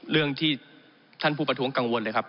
เรื่องที่ท่านผู้ประท้วงกังวลเลยครับ